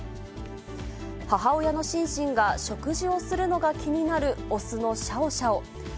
母親のシンシンが食事をするのが気になる雄のシャオシャオ。